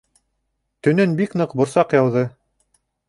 Төнөн бик ныҡ борсаҡ яуҙы.